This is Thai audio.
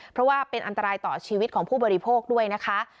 เพราะว่าเป็นอันตรายต่อชีวิตของผู้บริโภคด้วยนะคะ